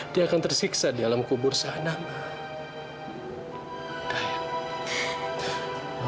dia akan tersiksa di dalam kubur sana ma